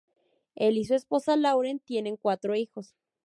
Él y su esposa, Lauren, tienen cuatro hijos.